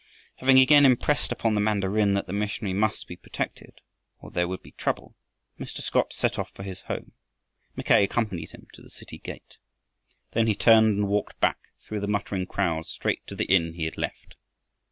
Having again impressed upon the mandarin that the missionary must be protected or there would be trouble, Mr. Scott set off for his home. Mackay accompanied him to the city gate. Then he turned and walked back through the muttering crowds straight to the inn he had left.